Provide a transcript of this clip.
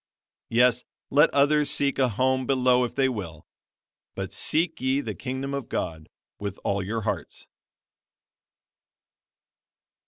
Yes, let others seek a home below if they will, but seek ye the Kingdom of God with all your hearts.